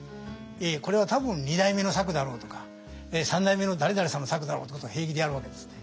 これは多分二代目の作だろうとか三代目の誰々さんの作だろうってことを平気でやるわけですね。